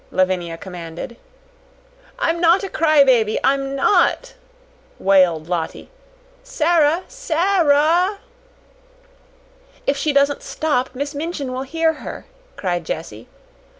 Lavinia commanded. "I'm not a cry baby ... I'm not!" wailed Lottie. "Sara, Sa ra!" "If she doesn't stop, Miss Minchin will hear her," cried Jessie.